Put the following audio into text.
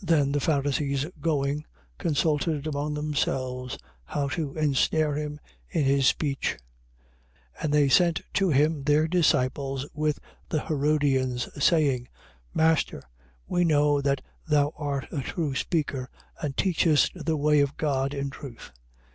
22:15. Then the Pharisees going, consulted among themselves how to insnare him in his speech. 22:16. And they sent to him their disciples with the Herodians, saying: Master, we know that thou art a true speaker and teachest the way of God in truth.